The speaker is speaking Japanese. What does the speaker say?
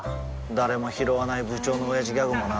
誰もひろわない部長のオヤジギャグもな